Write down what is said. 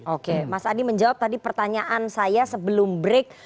oke mas adi menjawab tadi pertanyaan saya sebelum break